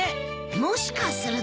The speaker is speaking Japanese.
もしかすると。